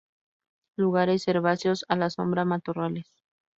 Lugares herbáceos a la sombra, matorrales.